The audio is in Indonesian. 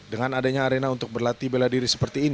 dengan adanya arena untuk berlatih bela diri seperti ini